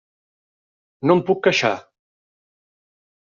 No em puc queixar.